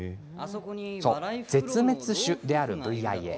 絶滅種であるＶ．Ｉ．Ａ